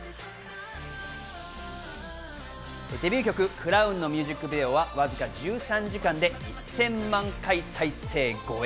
デビュー曲『ＣＲＯＷＮ』のミュージックビデオはわずか１３時間で１０００万回再生超え。